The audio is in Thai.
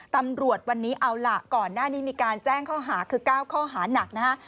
ตำรวจวันนี้เอาล่ะก่อนหน้านี้มีการแจ้งข้อหาคือ๙ข้อหานักนะฮะ